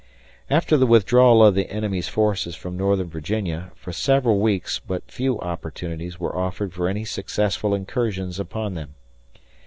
After the withdrawal of the enemy's forces from Northern Virginia, for several weeks but few opportunities were offered for any successful incursions upon them.